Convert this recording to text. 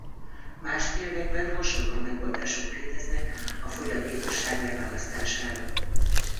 Más nyelvekben hasonló megoldások léteznek a fogyatékosság leválasztására.